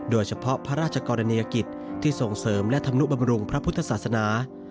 โดยเฉพาะพระราชกรณียกิจที่ส่งเสริมและธรรมนุบำรุงพระพุทธศาสนา